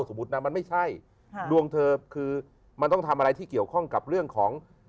นะมันไม่ใช่ดวงเธอคือมันต้องทำอะไรที่เกี่ยวข้องกับเรื่องของ